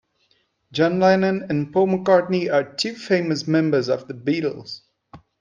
John Lennon and Paul McCartney are two famous members of the Beatles.